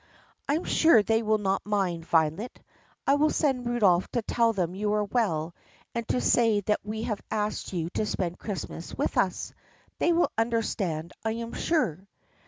"I 'm sure they will not mind, Violet. I will send Rudolph to tell them you are well and to say that we have asked you to spend Christmas with us. They will understand, I am sure."